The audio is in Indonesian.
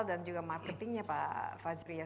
dan juga marketingnya pak fajri ya